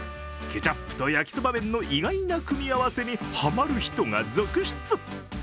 ケチャップと焼きそば麺の意外な組み合わせにハマる人が続出。